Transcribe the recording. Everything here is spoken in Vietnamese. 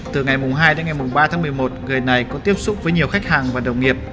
từ ngày hai đến ngày ba tháng một mươi một người này có tiếp xúc với nhiều khách hàng và đồng nghiệp